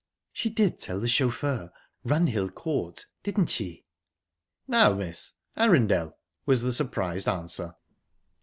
"She did tell the chauffeur Runhill Court, didn't she?" "No, miss Arundel," was the surprised answer.